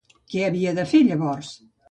Què havia de fer, llavors?